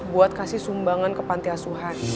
buat kasih sumbangan ke pantiasuhan